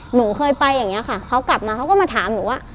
หนูเคยไปอย่างนี้ค่ะเขากลับมาเขาก็มาถามหนูว่า